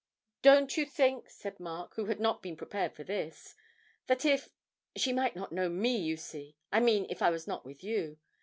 'Don't you think,' said Mark, who had not been prepared for this, 'that if she might not know me, you see I mean if I was not with you?'